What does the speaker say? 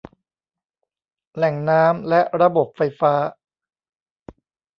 แหล่งน้ำ และระบบไฟฟ้า